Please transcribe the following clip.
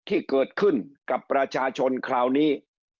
ที่เกิดขึ้นกับประชาชนคราวนี้